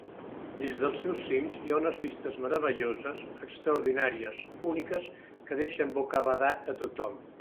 Des dels seus cims hi ha unes vistes meravelloses, extraordinàries, úniques, que deixen bocabadat a tothom.